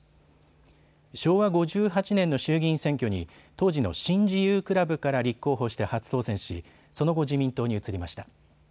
昭和５８年の衆議院選挙に当時の新自由クラブから立候補して初当選しその後、自民党に移りました。